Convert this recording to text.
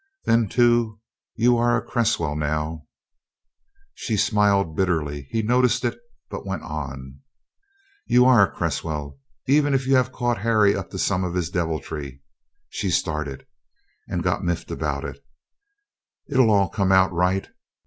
Then, too, you are a Cresswell now " She smiled bitterly; he noticed it, but went on: "You are a Cresswell, even if you have caught Harry up to some of his deviltry," she started, "and got miffed about it. It'll all come out right.